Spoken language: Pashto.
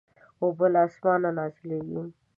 اوبه له اسمانه نازلېږي.